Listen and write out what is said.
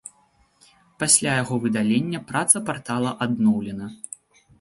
Пасля яго выдалення праца партала адноўлена.